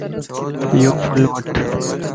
يو ڦل وڻھه